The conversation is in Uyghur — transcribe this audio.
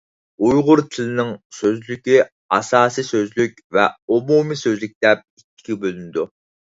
ئۇيغۇر تىلىنىڭ سۆزلۈكى ئاساسىي سۆزلۈك ۋە ئومۇمىي سۆزلۈك دەپ ئىككىگە بۆلۈنىدۇ.